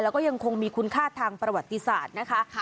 แล้วก็ยังคงมีคุณค่าทางประวัติศาสตร์นะคะ